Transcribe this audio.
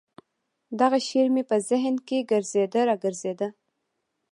دغه شعر مې په ذهن کښې ګرځېده راګرځېده.